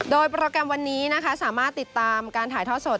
โดยโปรแกรมวันนี้นะคะสามารถติดตามการถ่ายทอดสด